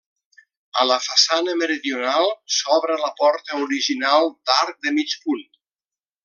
A la façana meridional s'obre la porta original d'arc de mig punt.